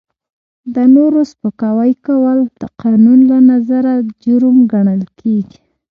د نورو سپکاوی کول د قانون له نظره جرم ګڼل کیږي.